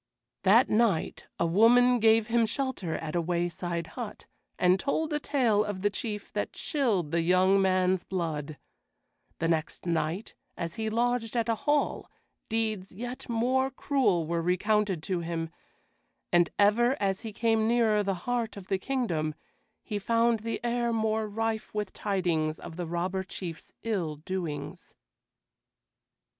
That night a woman gave him shelter at a wayside hut, and told a tale of the Chief that chilled the young man's blood; the next night, as he lodged at a hall, deeds yet more cruel were recounted to him; and ever as he came nearer the heart of the kingdom, he found the air more rife with tidings of the Robber Chief's ill doings.